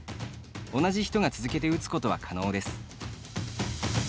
同じ人が続けて打つことは可能です。